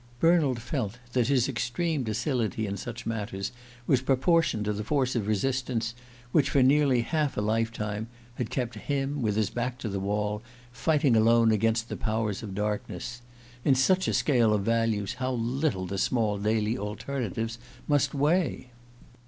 Bernald felt that his extreme docility in such matters was proportioned to the force of resistance which, for nearly half a life time, had kept him, with his back to the wall, fighting alone against the powers of darkness. In such a scale of values how little the small daily alternatives must weigh!